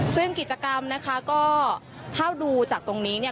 ซึ่งกิจกรรมนะคะก็ถ้าดูจากตรงนี้เนี่ย